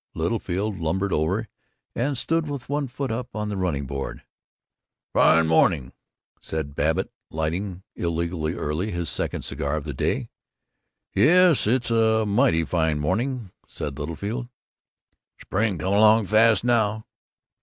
Littlefield lumbered over and stood with one foot up on the running board. "Fine morning," said Babbitt, lighting illegally early his second cigar of the day. "Yes, it's a mighty fine morning," said Littlefield. "Spring coming along fast now."